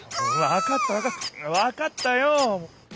わかったわかったわかったよ！